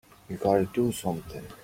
You've got to do something!